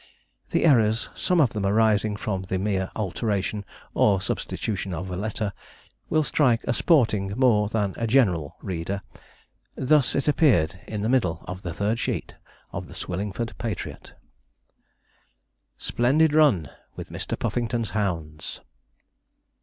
The errors, some of them arising from the mere alteration or substitution of a letter, will strike a sporting more than a general reader. Thus it appeared in the middle of the third sheet of the Swillingford Patriot: SPLENDID RUN WITH MR. PUFFINGTON'S HOUNDS.